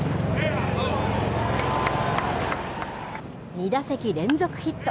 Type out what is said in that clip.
２打席連続ヒット。